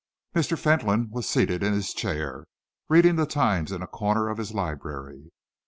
Mr. Fentolin was seated in his chair, reading the Times in a corner of his library.